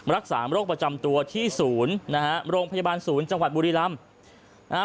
รักษาโรคประจำตัวที่ศูนย์นะฮะโรงพยาบาลศูนย์จังหวัดบุรีรำนะฮะ